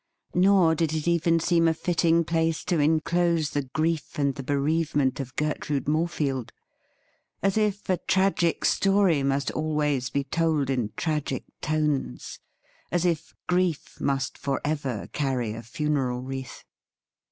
Nor did it even seem a fitting place to enclose the grief and the bereavement of Gertrude More field. As if a tragic story must always be told in tragic tones — as if grief must for ever carry a funeral wreath